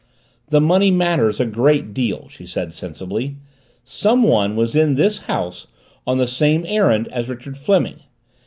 "The money matters a great deal," she said, sensibly. "Someone was in this house on the same errand as Richard Fleming.